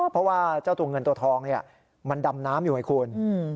เพราะว่าเจ้าตัวเงินตัวทองมันดำน้ำอยู่ไงคุณ